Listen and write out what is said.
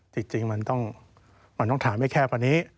จริงมันต้องถามให้แคบพอนี้